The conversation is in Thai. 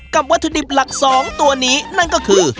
วัตถุดิบหลัก๒ตัวนี้นั่นก็คือ